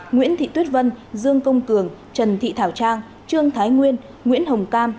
nguyễn thị tuyết vân dương công cường trần thị thảo trang trương thái nguyên nguyễn hồng cam